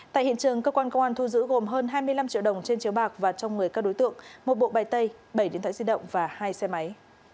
tại hiện trường cơ quan công an thu giữ gồm hơn hai mươi năm triệu đồng trên chiếu bạc và trong người các đối tượng một bộ bài tay bảy điện thoại di động và hai xe máy